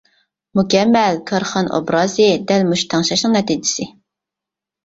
مۇكەممەل كارخانا ئوبرازى دەل مۇشۇ تەڭشەشنىڭ نەتىجىسى.